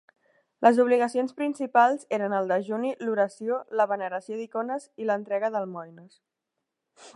Les obligacions principals eren el dejuni, l'oració, la veneració d'icones i l'entrega d'almoines.